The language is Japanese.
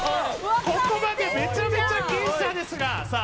ここまでめちゃめちゃ僅差ですがさあ